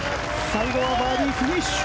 最後はバーディーフィニッシュ。